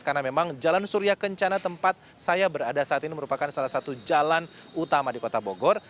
karena memang jalan surya kencana tempat saya berada saat ini merupakan salah satu jalan utama di kota bogor